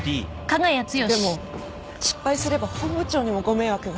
でも失敗すれば本部長にもご迷惑が。